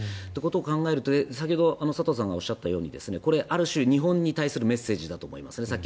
そういうことを考えると先ほど、佐藤さんがおっしゃったようにある種、日本に対するメッセージだと思いますね。